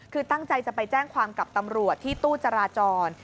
คือตั้งใจจะไปแจ้งความกับตำรวจที่ตู้จราจร